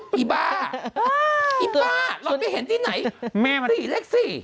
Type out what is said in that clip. ปี้บ้ารถไปเห็นที่ไหนเลขสี่